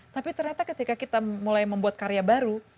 tapi ternyata ketika kita mulai membuat karya baru